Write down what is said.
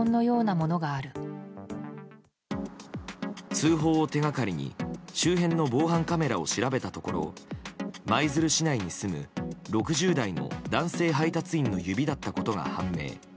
通報を手掛かりに周辺の防犯カメラを調べたところ舞鶴市内に住む、６０代の男性配達員の指だったことが判明。